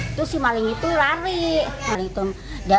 itu si maling itu lari